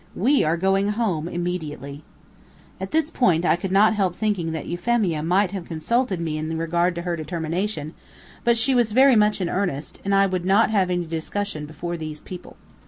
We are going home immediately." At this point I could not help thinking that Euphemia might have consulted me in regard to her determination, but she was very much in earnest, and I would not have any discussion before these people.